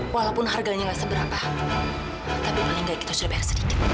walaupun harganya nggak seberapa tapi paling tidak kita sudah bayar sedikit